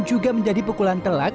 juga menjadi pukulan telak